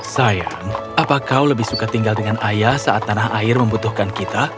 sayang apa kau lebih suka tinggal dengan ayah saat tanah air membutuhkan kita